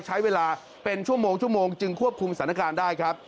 ใช้เวลาเป็นชั่วโมงชั่วโมงจึงควบคุมสถานการณ์ได้ครับ